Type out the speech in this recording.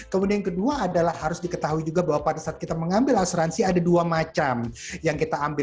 kemudian yang kedua adalah harus diketahui juga bahwa pada saat kita mengambil asuransi ada dua macam yang kita ambil